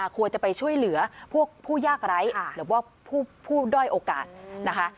ควรจะไปช่วยเหลือพวกผู้ยากไร้หรือว่าผู้ด้อยโอกาสนะคะ